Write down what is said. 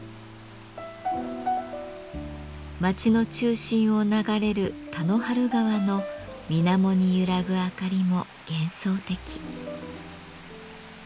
町の中心を流れる「田の原川」のみなもに揺らぐあかりも幻想的。